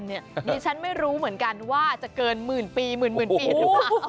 ดิฉันไม่รู้เหมือนกันว่าจะเกินหมื่นปีหมื่นปีหรือเปล่า